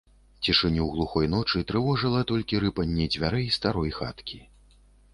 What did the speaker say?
Цішыню глухой ночы трывожыла толькі рыпанне дзвярэй старой хаткі.